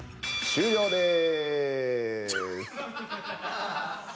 終了です。